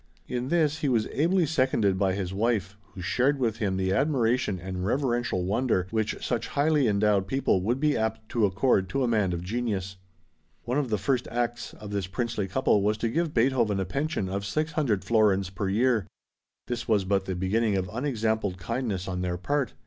In this he was ably seconded by his wife, who shared with him the admiration and reverential wonder which such highly endowed people would be apt to accord to a man of genius. One of the first acts of this princely couple was to give Beethoven a pension of 600 florins per year. This was but the beginning of unexampled kindness on their part.